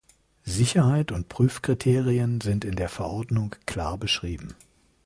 Sicherheit und Prüfkriterien sind in der Verordnung klar beschrieben.